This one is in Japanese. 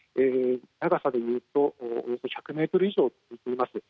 長さでいうと１００ｍぐらいあります。